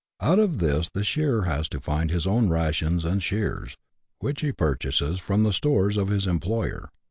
Out of this the shearer has to find his own rations and shears, which he purchases from the stores of his employer.